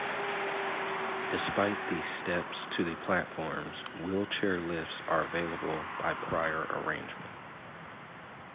Despite the steps to the platforms, wheelchair lifts are available by prior arrangement.